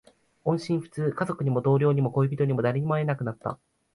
音信不通。家族にも、同僚にも、恋人にも、誰にも会えなくなった。